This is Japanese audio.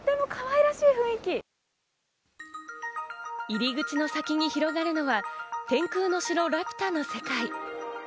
入り口の先に広がるのは『天空の城ラピュタ』の世界。